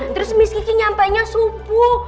terus miss kiki nyampainya subuh